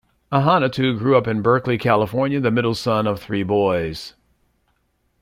Ahanotu grew up in Berkeley, California, the middle son of three boys.